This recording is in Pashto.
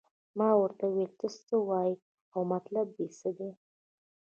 ما ورته وویل ته څه وایې او مطلب دې څه دی.